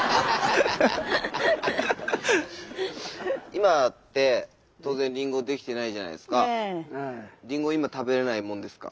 今って当然りんごできてないじゃないですか。